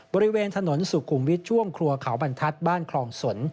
บริเวณถนนสุขุมวิทย์ช่วงครัวเขาบรรทัศน์บ้านคลองสน